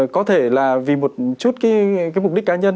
có thể là vì một chút cái mục đích cá nhân